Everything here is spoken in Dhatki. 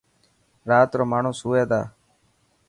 رات رو ماڻهوسوئي تا.